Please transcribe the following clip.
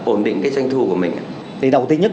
ổn định cái doanh thu của mình thì đầu tiên nhất